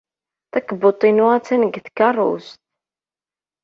Takebbuḍt-inu attan deg tkeṛṛust.